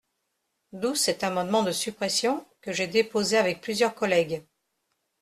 D’où cet amendement de suppression, que j’ai déposé avec plusieurs collègues.